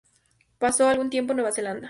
Pasó algún tiempo en Nueva Zelanda.